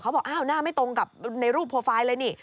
บอกอ้าวหน้าไม่ตรงกับในรูปโปรไฟล์เลยนี่